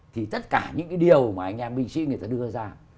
thì tất cả những cái điều mà anh em binh sĩ người ta đưa ra